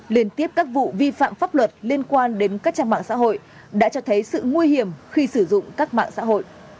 liên tiếp các vụ vi phạm pháp luật liên quan đến các trang mạng xã hội đã cho thấy sự nguy hiểm khi sử dụng các mạng xã hội